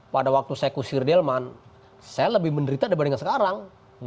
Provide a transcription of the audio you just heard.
pada waktu saya kusir di elman saya lebih menderita daripada sekarang